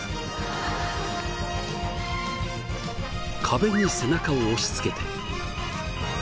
壁に背中を押しつけて。